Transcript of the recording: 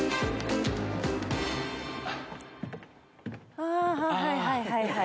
あはいはいはいはい。